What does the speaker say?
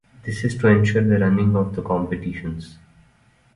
This is to ensure the running of the competitions.